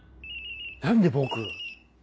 何で僕？